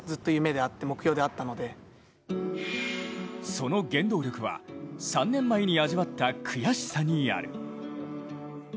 その原動力は、３年前に味わった悔しさにある。